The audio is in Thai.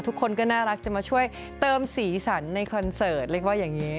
ทุกคนก็น่ารักจะมาช่วยเติมสีสันในคอนเสิร์ตเรียกว่าอย่างนี้